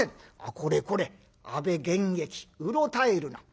「これこれ阿部玄益うろたえるな。